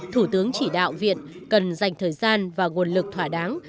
thủ tướng chỉ đạo viện cần dành thời gian và nguồn lực thỏa đáng